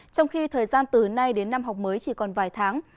trong khi thời gian từ nay đến năm học mới chỉ còn vài tháng